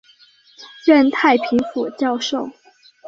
任太平府教授。